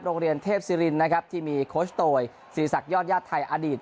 โรงเรียนเทพศิรินนะครับที่มีโคชโตยศิริษักยอดญาติไทยอดีต